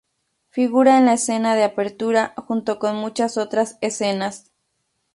Figura en la escena de apertura, junto con muchas otras escenas.